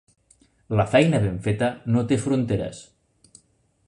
La feina ben feta no té fronteres.